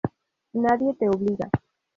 Nadie te obliga.